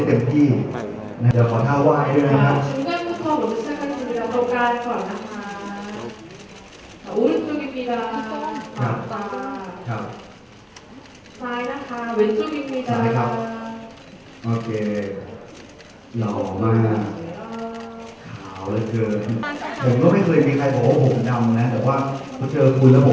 ครับเขาก็ว่าไฟติดตามสุดค่ะขอออดมากครับ